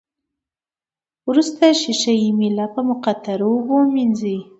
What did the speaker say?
وروسته ښيښه یي میله په مقطرو اوبو ومینځئ.